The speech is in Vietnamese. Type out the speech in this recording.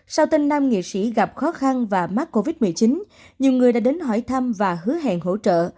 sau tên nam nghệ sĩ gặp khó khăn và mắc covid một mươi chín nhiều người đã đến hỏi thăm và hứa hẹn hỗ trợ